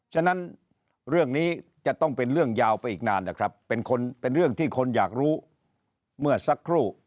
หยุดสงกรานไป๔๕วันเปิดขึ้นมา